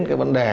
cái vấn đề